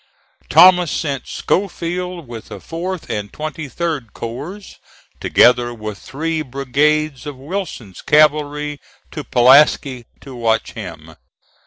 Thomas sent Schofield with the 4th and 23d corps, together with three brigades of Wilson's cavalry to Pulaski to watch him.